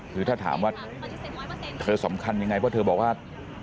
คือถ้าถามว่าเธอสำคัญยังไงเพราะเธอบอกว่า